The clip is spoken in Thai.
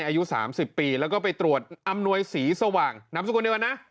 อายุ๓๐ปีแล้วก็ไปตรวจอำนวยสีสว่างนามสกุลเดียวกันนะ